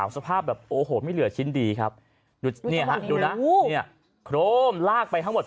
สภาพแบบโอ้โหไม่เหลือชิ้นดีครับดูเนี่ยฮะดูนะเนี่ยโครมลากไปทั้งหมด